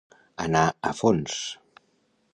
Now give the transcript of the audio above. Anar a fons.